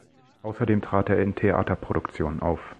Außerdem trat er in Theaterproduktionen auf.